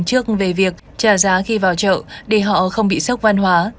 trước về việc trả giá khi vào chợ để họ không bị sốc văn hóa